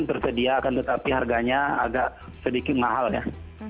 tersedia akan tetapi harganya agak sedikit mahal ya